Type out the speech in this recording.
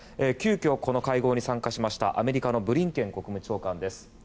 急きょこの会合に参加しましたアメリカのブリンケン国務長官です。